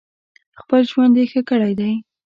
خپل ژوند یې ښه کړی دی.